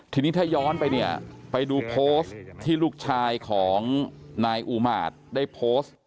ทีนี้ถ้าย้อนไปเนี่ยไปดูโพสต์ที่ลูกชายของนายอูมาตย์ได้โพสต์